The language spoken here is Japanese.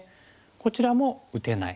こちらも打てない。